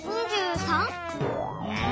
うん？